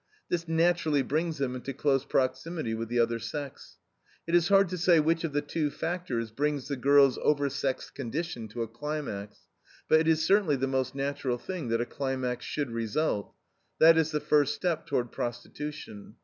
This naturally brings them into close proximity with the other sex. It is hard to say which of the two factors brings the girl's over sexed condition to a climax, but it is certainly the most natural thing that a climax should result. That is the first step toward prostitution.